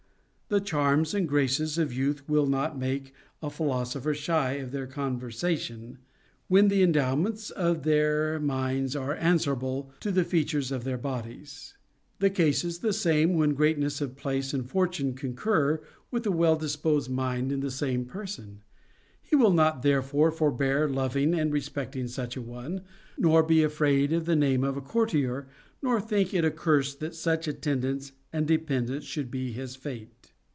The charms and graces of youth will not make a philosopher shy of their conversation, when the endowments of their minds are answerable to the features of their bodies. The case is the same when greatness of place and fortune concur writh a well disposed mind in the same person ; he will not * Eurip. Hippol. 102 374: PHILOSOPHERS TO CONVERSE therefore forbear loving and respecting such a one, nor be afraid of the name of a courtier, nor think it a curse that such attendance and dependence should be his fate.